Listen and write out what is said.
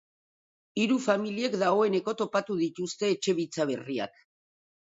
Hiru familiek dagoeneko topatu dituzte etxe bitza berriak.